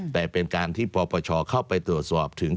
แต่เป็นการที่ปปชเข้าไปตรวจสอบถึง